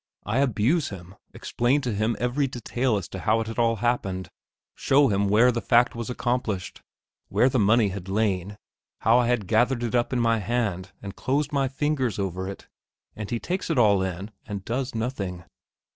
I abuse him, explain to him every detail as to how it had all happened, show him where the fact was accomplished, where the money had lain; how I had gathered it up in my hand and closed my fingers over it and he takes it all in and does nothing.